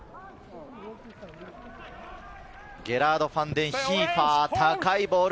ゲラード・ファンデンヒーファー、高いボール。